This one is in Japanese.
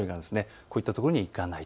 こういったところに行かない。